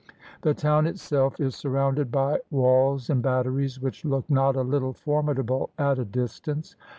The town itself is surrounded by walls and batteries which look not a little formidable at a distance.